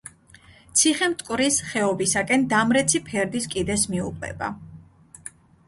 ციხე მტკვრის ხეობისაკენ დამრეცი ფერდის კიდეს მიუყვება.